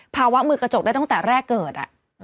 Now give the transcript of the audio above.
ภาวะมือกระจกได้ตั้งแต่แรกเกิด